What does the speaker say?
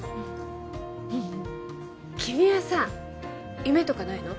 君はさ夢とかないの？